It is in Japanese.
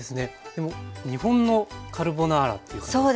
日本のカルボナーラっていう感じですね